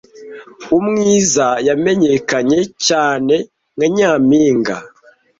Umwiza yamenyekanye cyane nka Nyampinga